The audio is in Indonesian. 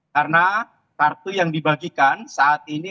karena kartu yang dibagikan saat ini